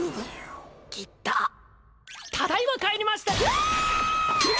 きたただいま帰りましたきゃ！